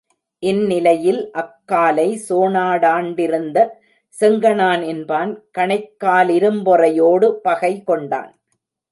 இந்நிலையில், அக்காலை சோணாடாண்டிருந்த செங்கணான் என்பான், கணைக்காலிரும்பொறை யோடு பகை கொண்டான்.